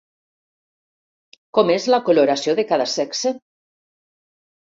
Com és la coloració de cada sexe?